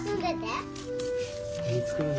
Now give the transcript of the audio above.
何作るの？